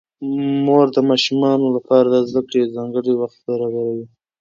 مور د ماشومانو لپاره د زده کړې ځانګړی وخت برابروي